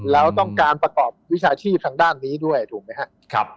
แล้วต้องการประกอบวิชาชีพทางด้านนี้ด้วยถูกไหมครับ